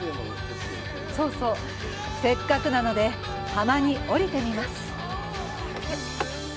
せっかくなので、浜に降りてみます。